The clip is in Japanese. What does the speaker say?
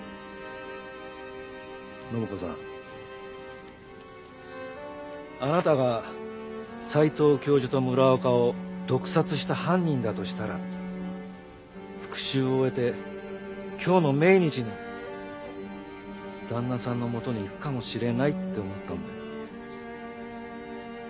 信子さんあなたが斎藤教授と村岡を毒殺した犯人だとしたら復讐を終えて今日の命日に旦那さんのもとに行くかもしれないって思ったんだ。